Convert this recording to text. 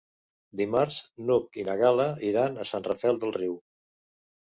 Dimarts n'Hug i na Gal·la iran a Sant Rafel del Riu.